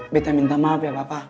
minta minta maaf ya bapak